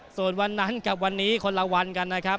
ส่วนวันนั้นกับวันนี้คนละวันกันนะครับ